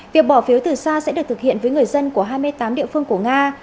việc bỏ phiếu từ xa sẽ được thực hiện với người dân của hai mươi tám địa phương của nga